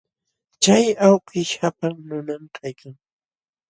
Chay awkish qapaq nunam kaykan.